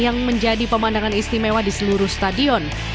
pertandingan ini juga memiliki pemandangan istimewa di seluruh stadion